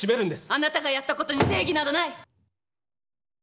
あなたがやったことに正義などない！